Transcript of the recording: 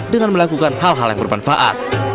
dengan melakukan hal hal yang bermanfaat